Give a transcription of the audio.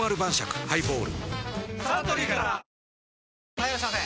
・はいいらっしゃいませ！